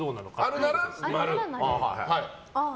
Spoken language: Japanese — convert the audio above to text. あるなら○。